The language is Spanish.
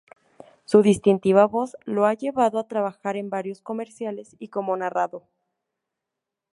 Su distintiva voz lo ha llevado a trabajar en varios comerciales y como narrado.